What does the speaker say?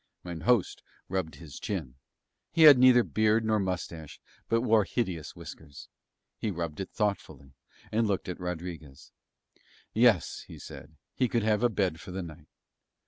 Mine host rubbed his chin; he had neither beard nor moustache but wore hideous whiskers; he rubbed it thoughtfully and looked at Rodriguez. Yes, he said, he could have a bed for the night.